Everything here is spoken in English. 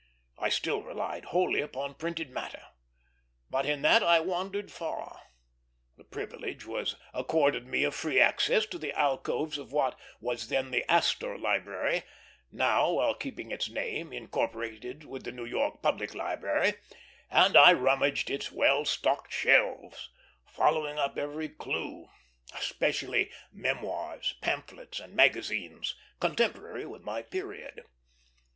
I still relied wholly upon printed matter, but in that I wandered far. The privilege was accorded me of free access to the alcoves of what was then the Astor Library, now, while keeping its name, incorporated with the New York Public Library; and I rummaged its well stocked shelves, following up every clue, especially memoirs, pamphlets, and magazines, contemporary with my period.